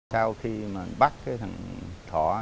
sau khi mà bắt thằng thỏ